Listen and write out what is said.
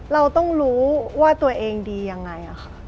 เราต้องรู้ว่าตัวเองดียังไง